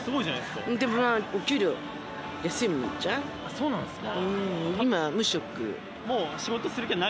そうなんすか。